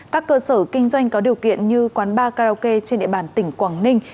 các cơ sở kinh doanh có điều kiện như quán bar karaoke trên địa bàn tỉnh quảng ninh